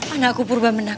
anakku purba menak